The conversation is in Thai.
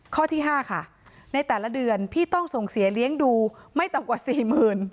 ข้อที่๕ค่ะในแต่ละเดือนพี่ต้องส่งเสียเลี้ยงดูไม่ต่ำกว่าสี่หมื่น